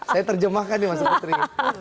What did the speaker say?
saya terjemahkan nih mas putri